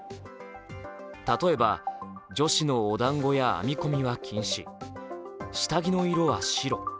例えば女子のおだんごや編み込みは禁止、下着の色は白。